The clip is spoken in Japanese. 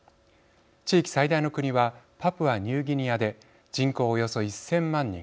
地域最大の国はパプアニューギニアで人口およそ１，０００万人。